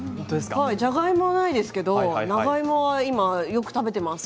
じゃがいもないですけれど長芋は今よく食べています。